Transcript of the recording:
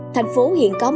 thành phố hiện cơ